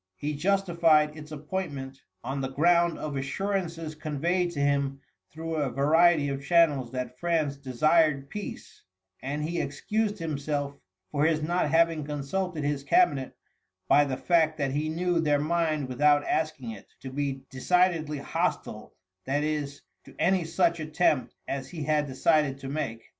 He justified its appointment on the ground of assurances conveyed to him through a variety of channels that France desired peace, and he excused himself for his not having consulted his cabinet by the fact that he knew their mind without asking it to be decidedly hostile, that is, to any such attempt as he had decided to make.